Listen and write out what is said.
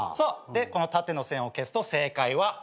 でこの縦の線を消すと正解は。